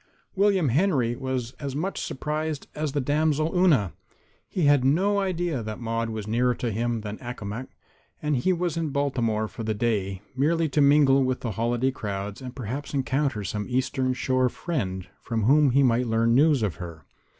William Henry was as much surprised as the damsel Una. He had no idea that Maude was nearer to him than Accomac, and he was in Baltimore for the day merely to mingle with the holiday crowds and perhaps encounter some Eastern Shore friend from whom he might learn news of her.